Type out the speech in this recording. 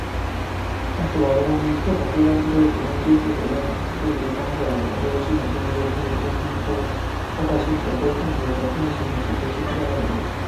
二是网络攻击。特种作战部队使用技术手段对敌方的网络系统进行有目的的攻击，破坏其指挥、控制和通信系统，使其失去战斗能力。